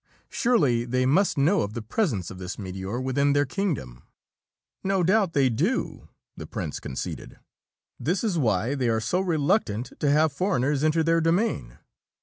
Surely they must know of the presence of this meteor within their kingdom." "No doubt they do," the prince conceded. "This is why they are so reluctant to have foreigners enter their domain.